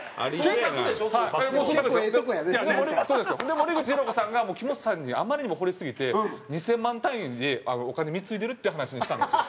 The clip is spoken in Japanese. で森口博子さんが木本さんにあまりにも惚れすぎて２０００万単位でお金貢いでるっていう話にしたんですよ。